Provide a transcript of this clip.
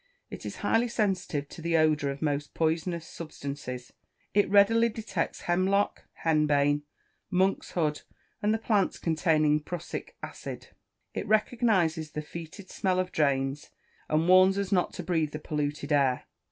It is highly sensitive to the odour of most poisonous substances. It readily detects hemlock, henbane, monk's hood, and the plants containing prussic acid. It recognises the foeted smell of drains, and warns us not to breathe the polluted air.